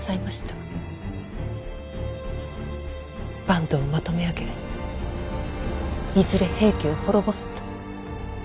坂東をまとめ上げいずれ平家を滅ぼすと。